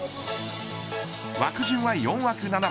枠順は４枠７番。